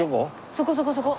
そこそこそこ。